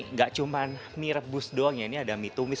nggak cuma mie rebus doang ya ini ada mie tumis